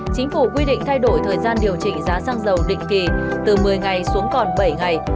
chính phủ quy định thay đổi thời gian điều chỉnh giá xăng dầu định kỳ từ một mươi ngày xuống còn bảy ngày